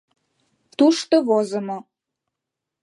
Тушто возымо: